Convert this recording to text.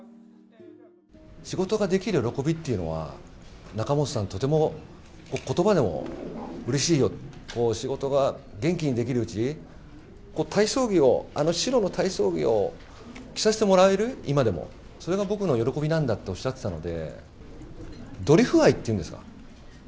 仕事ができる喜びっていうのは、仲本さん、とてもことばでもうれしいよ、仕事が元気にできるうちに、体操着を、あの白の体操着を着させてもらえる、今でも、それが僕の喜びなんだっておっしゃってたので。